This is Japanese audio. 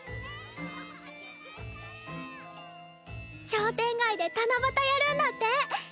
商店街で七夕やるんだって。